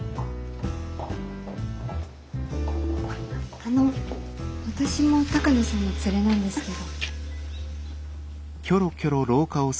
あの私も鷹野さんの連れなんですけど。